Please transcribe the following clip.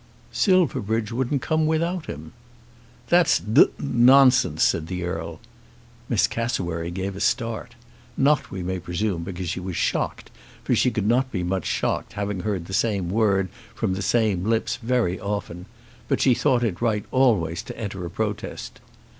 "Silverbridge wouldn't come without him." "That's d nonsense," said the Earl. Miss Cassewary gave a start, not, we may presume, because she was shocked, for she could not be much shocked, having heard the same word from the same lips very often; but she thought it right always to enter a protest.